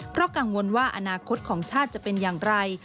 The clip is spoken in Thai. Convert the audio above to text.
เพราะกังวลว่าอนาคตของชาติจะเป็นอย่างไร